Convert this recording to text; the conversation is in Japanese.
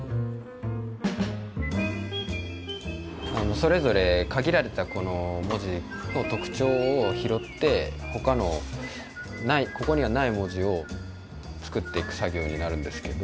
それぞれ限られたこの文字の特徴を拾ってほかのここにはない文字を作っていく作業になるんですけど。